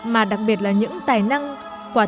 mà đặc biệt là những tài năng quả trẻ